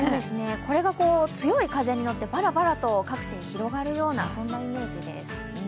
これが強い風になって、ばらばらと各地に広がるようなイメージです。